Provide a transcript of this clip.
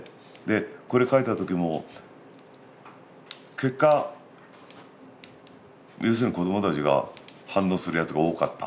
これ描いた時も結果要するに子どもたちが反応するやつが多かった。